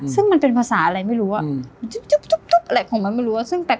ซึ่งมันเป็นภาษาอะไรไม่รู้ว่าทุ๊บแหละของมันไม่รู้ว่า